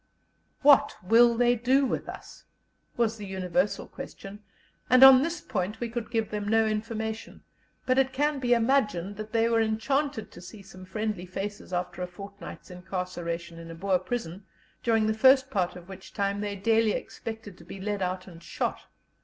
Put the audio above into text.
"What will they do with us?" was the universal question, and on this point we could give them no information; but it can be imagined they were enchanted to see some friendly faces after a fortnight's incarceration in a Boer prison, during the first part of which time they daily expected to be led out and shot.